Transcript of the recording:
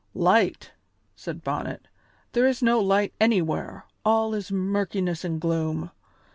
"Light!" said Bonnet; "there is no light anywhere; all is murkiness and gloom.